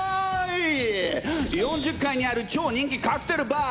４０階にある超人気カクテルバー